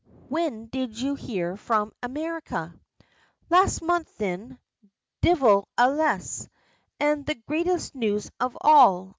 When did you hear from America?" "Last month thin divil a less; an' the greatest news of all!